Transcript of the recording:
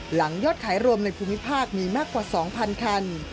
ยอดขายรวมในภูมิภาคมีมากกว่า๒๐๐คัน